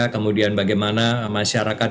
kemudian bagaimana masyarakat